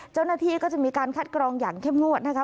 เจ้าหน้าที่ก็จะมีการคัดกรองอย่างเข้มงวดนะคะ